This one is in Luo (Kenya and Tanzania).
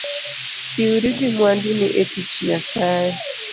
Chiwri gi mwanduni e tich Nyasaye